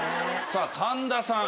さあ神田さん。